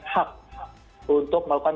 hak untuk melakukan